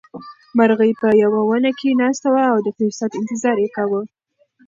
مرغۍ په یوه ونه کې ناسته وه او د فرصت انتظار یې کاوه.